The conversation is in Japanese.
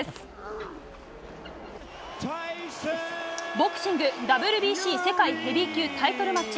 ボクシングＷＢＣ世界ヘビー級タイトルマッチ。